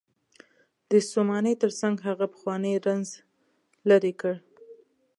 د ستومانۍ تر څنګ هغه پخوانی رنځ لرې کړ.